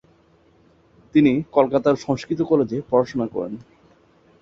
তিনি কলকাতায় সংস্কৃত কলেজে পড়াশোনা করেন।